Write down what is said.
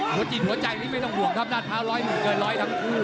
หัวจิตหัวใจนี้ไม่ต้องห่วงครับด้านพร้าวร้อยหนึ่งเกินร้อยทั้งคู่